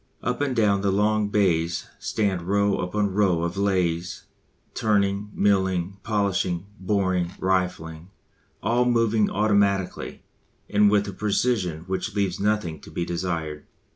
Up and down the long bays stand row upon row of lathes, turning, milling, polishing, boring, rifling all moving automatically, and with a precision which leaves nothing to be desired.